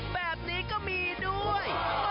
แบบนี้ก็มีด้วย